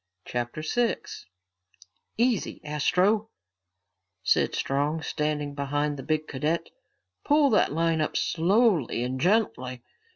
CHAPTER 6 "Easy, Astro," said Strong, standing behind the big cadet. "Pull that line up slowly and gently."